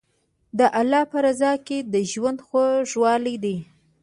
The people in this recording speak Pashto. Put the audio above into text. د الله په رضا کې د ژوند خوږوالی دی.